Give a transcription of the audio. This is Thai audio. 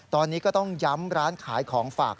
ตอนนี้ก็ต้องย้ำร้านขายของฝาก